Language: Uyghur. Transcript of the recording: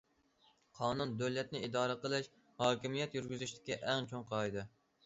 قانۇن دۆلەتنى ئىدارە قىلىش، ھاكىمىيەت يۈرگۈزۈشتىكى ئەڭ چوڭ قائىدە.